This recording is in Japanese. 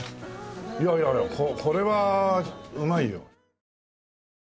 いやいやいやこれはうまいよ。